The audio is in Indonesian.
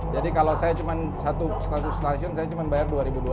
jadi kalau saya cuma satu status stasiun saya cuma bayar dua dua ratus